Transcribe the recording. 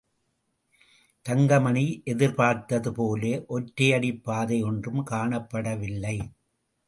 தங்கமணி எதிர்பார்த்தது போல ஒற்றையடிப் பாதையொன்றும் காணப்படவில்லை.